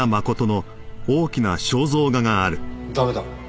駄目だ。